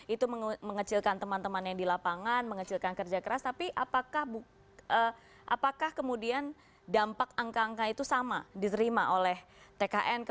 itu mengecilkan teman teman yang di lapangan mengecilkan kerja keras tapi apakah kemudian dampak angka angka itu sama diterima oleh tkn